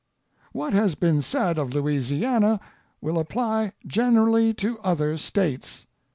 What has been said of Louisiana will apply generally to other States.